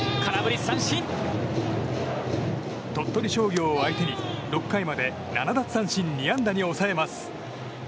鳥取商業を相手に、６回まで７奪三振２安打に抑えます。